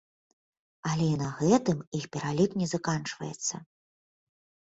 Але і на гэтым іх пералік не заканчваецца.